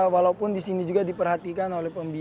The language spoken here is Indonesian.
walaupun disini juga diperhatikan oleh pembeli